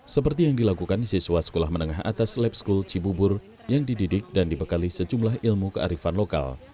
seperti yang dilakukan siswa sekolah menengah atas lab school cibubur yang dididik dan dibekali sejumlah ilmu kearifan lokal